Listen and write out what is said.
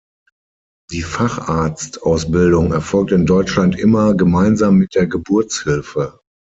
Die Facharzt-Ausbildung erfolgt in Deutschland immer gemeinsam mit der Geburtshilfe.